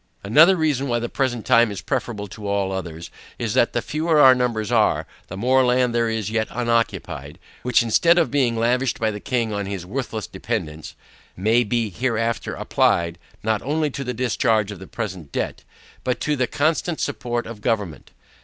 Another reason why the present time is preferable to all others, is, that the fewer our numbers are, the more land there is yet unoccupied, which instead of being lavished by the king on his worthless dependents, may be hereafter applied, not only to the discharge of the present debt, but to the constant support of government.